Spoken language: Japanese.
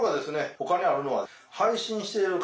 他にあるのは配信している方